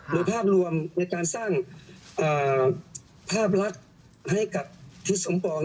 ภาพรวมในการสร้างภาพลักษณ์ให้กับทิศสมปอง